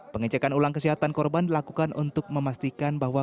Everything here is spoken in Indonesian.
pengecekan ulang kesehatan korban dilakukan untuk memastikan bahwa